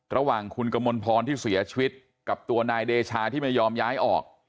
ระหว่างคุณกมลพรที่เสียชีวิตกับตัวนายเดชาที่ไม่ยอมย้ายออก